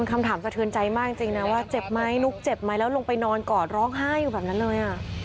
คำถามสะเทือนใจมากจริงนะว่าเจ็บไหมนุ๊กเจ็บไหมแล้วลงไปนอนกอดร้องไห้อยู่แบบนั้นเลย